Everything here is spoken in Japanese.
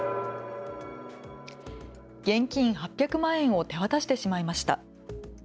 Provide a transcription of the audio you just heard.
現金８００万円を手渡してしまいました。